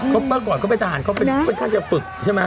เขาก่อนเขาเป็นทหารเป็นท่านสำคัญใช่ไหม